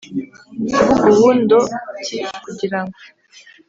ukuvuga Ubu ndo t kugira ngo